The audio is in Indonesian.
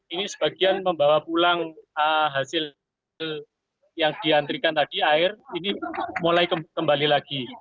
ini sebagian membawa pulang hasil yang diantrikan tadi air ini mulai kembali lagi